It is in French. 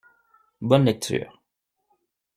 Bonne lecture.